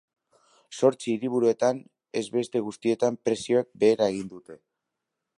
Zortzi hiriburutan ez beste guztietan prezioek behera egin dute.